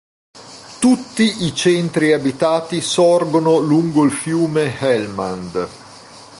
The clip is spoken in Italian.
Tutti i centri abitati sorgono lungo il fiume Helmand.